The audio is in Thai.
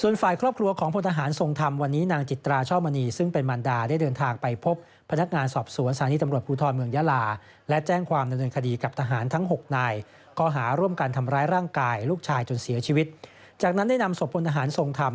ลูกชายจนเสียชีวิตจากนั้นได้นำศพพลทหารทรงธรรม